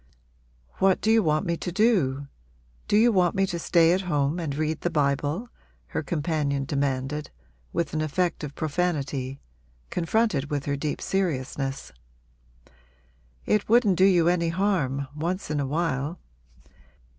'What do you want me to do? Do you want me to stay at home and read the Bible?' her companion demanded with an effect of profanity, confronted with her deep seriousness. 'It wouldn't do you any harm, once in a while.'